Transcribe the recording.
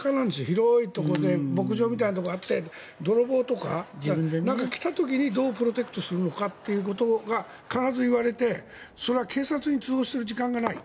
広いところで牧場みたいなところで泥棒とかが来た時にどうプロテクトするのかということが必ず言われて、それは警察に通報する時間がない。